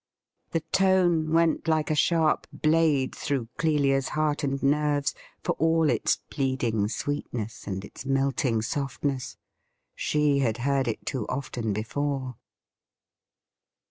The tone went like a sharp blade through Clelia's heart and nerves, for all its pleading sweetness and its melting softness. She had heard it too often before.